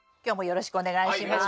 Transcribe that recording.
よろしくお願いします。